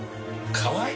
かわいい！